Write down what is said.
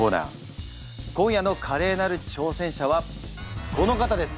今夜のカレーなる挑戦者はこの方です！